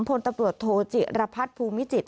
ผลตำรวจโทจิระพัดภูมิจิต